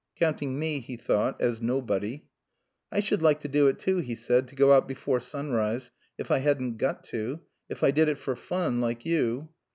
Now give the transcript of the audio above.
("Counting me," he thought, "as nobody.") "I should like to do it, too," he said "to go out before sunrise if I hadn't got to. If I did it for fun like you."